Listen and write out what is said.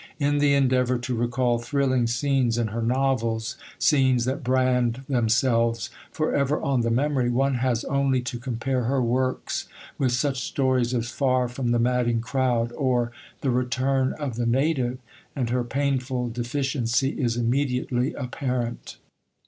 In the endeavour to recall thrilling scenes in her novels, scenes that brand themselves for ever on the memory, one has only to compare her works with such stories as Far From the Madding Crowd or The Return of the Native, and her painful deficiency is immediately apparent.